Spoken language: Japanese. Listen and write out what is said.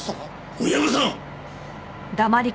森山さん！